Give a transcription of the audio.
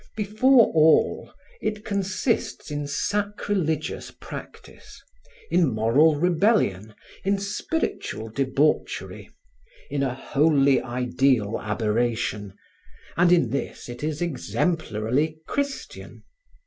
Before all, it consists in sacrilegious practice, in moral rebellion, in spiritual debauchery, in a wholly ideal aberration, and in this it is exemplarily Christian.